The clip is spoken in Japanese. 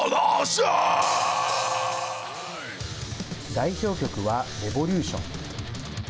代表曲はレボリューション。